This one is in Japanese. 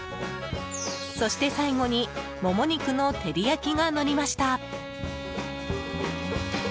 そして最後にモモ肉の照り焼きがのりました。